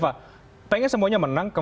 baik mbak eva pengen semuanya menang